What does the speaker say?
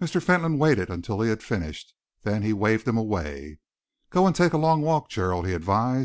Mr. Fentolin waited until he had finished. Then he waved him away. "Go and take a long walk, Gerald," he advised.